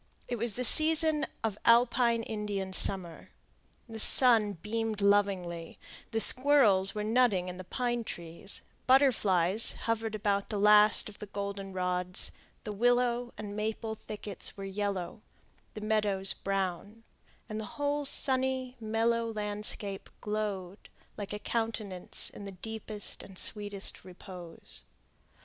It was the season of alpine Indian summer. The sun beamed lovingly; the squirrels were nutting in the pine trees, butterflies hovered about the last of the goldenrods, the willow and maple thickets were yellow, the meadows brown, and the whole sunny, mellow landscape glowed like a countenance in the deepest and sweetest repose.